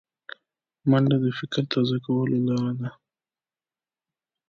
منډه د فکر تازه کولو لاره ده